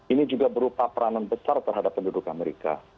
ini juga berupa peranan besar terhadap penduduknya